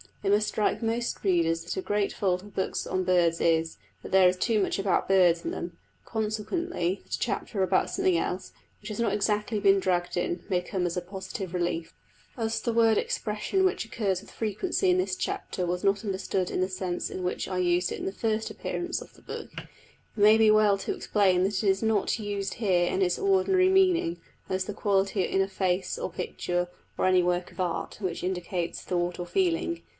It must strike most readers that a great fault of books on birds is, that there is too much about birds in them, consequently that a chapter about something else, which has not exactly been dragged in, may come as a positive relief. As the word expression which occurs with frequency in this chapter was not understood in the sense in which I used it on the first appearance of the book, it may be well to explain that it is not used here in its ordinary meaning as the quality in a face, or picture, or any work of art, which indicates thought or feeling.